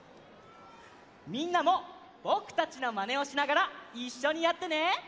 みんなもぼくたちのまねをしながらいっしょにやってね！